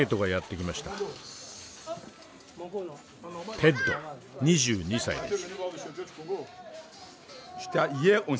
テッド２２歳です。